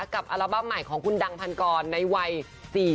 อัลบั้มใหม่ของคุณดังพันกรในวัย๔๐